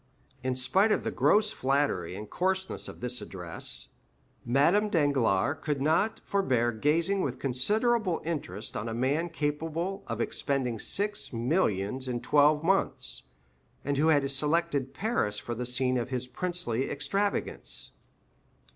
In spite of the gross flattery and coarseness of this address, Madame Danglars could not forbear gazing with considerable interest on a man capable of expending six millions in twelve months, and who had selected Paris for the scene of his princely extravagance.